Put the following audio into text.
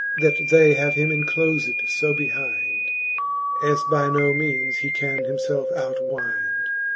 That they have him enclofed fo behind. As by no meanes !ie can himfelf outwind.